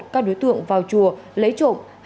các đối tượng vào chùa lấy trộm